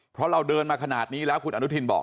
เพราะเราเดินมาขนาดนี้แล้วคุณอนุทินบอก